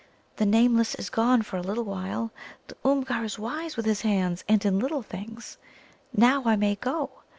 The Nameless is gone for a little while. The Oomgar is wise with his hands and in little things. Now I may go.